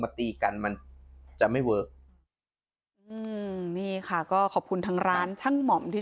ตีกันมันจะไม่เวอะอืมนี่ค่ะก็ขอบคุณทางร้านช่างหม่อมที่